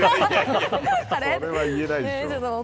あれは言えないでしょう。